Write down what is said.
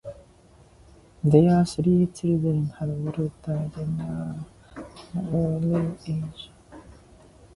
Their three children had all died in an early age.